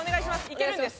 いけるんです！